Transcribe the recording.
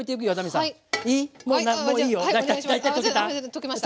溶けました。